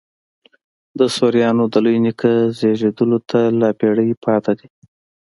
د سوریانو د لوی نیکه زېږېدلو ته لا پېړۍ پاته دي.